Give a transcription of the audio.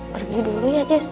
pergi dulu ya jessy